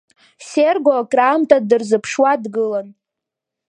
Серго акраамҭа дырзыԥшуа дгылан…